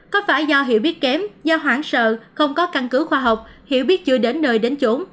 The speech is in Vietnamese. có phải do hiểu biết kém do hoảng sợ không có căn cứ khoa học hiểu biết chưa đến nơi đến chỗ